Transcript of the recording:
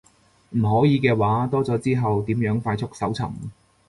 唔可以嘅話，多咗之後點樣快速搜尋